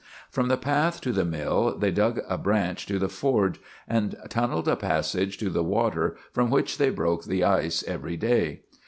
From the path to the mill they dug a branch to the forge, and tunneled a passage to the water, from which they broke the ice every day.